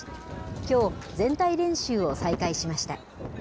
きょう、全体練習を再開しました。